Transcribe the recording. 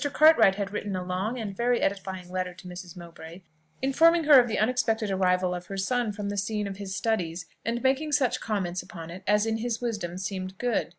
Cartwright had written a long and very edifying letter to Mrs. Mowbray, informing her of the unexpected arrival of her son from the scene of his studies, and making such comments upon it as in his wisdom seemed good.